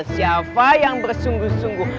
siapa yang bersungguh sungguh